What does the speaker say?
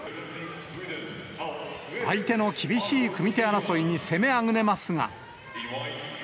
相手の厳しい組み手争いに攻めあぐねますが。